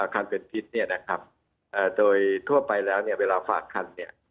คันเป็นพิษเนี่ยนะครับโดยทั่วไปแล้วเนี่ยเวลาฝากคันเนี่ย